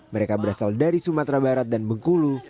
mereka berasal dari sumatera barat dan bengkulu